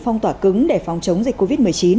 phong tỏa cứng để phòng chống dịch covid một mươi chín